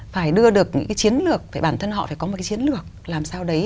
phải đưa được những cái chiến lược phải bản thân họ phải có một cái chiến lược làm sao đấy